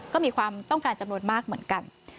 ก็มีความต้องการจำนวนมากเหมือนกัน